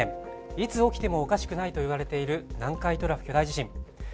いつ起きてもおかしくないといわれている南海トラフ巨大地震。